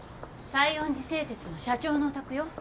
西園寺製鉄の社長のお宅よ。